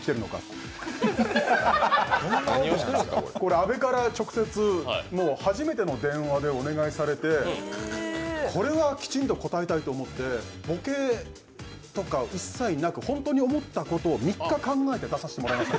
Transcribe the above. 安部から直接、初めての電話でお願いされてこれはきちんと応えたいと思って、ボケとか一切なく、本当に思ったことを３日考えて書かせてもらいました。